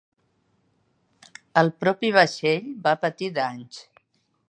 El propi vaixell va patir danys.